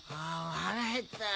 腹へったよ